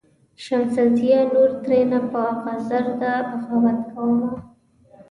"شمسزیه نور ترېنه په زغرده بغاوت کومه.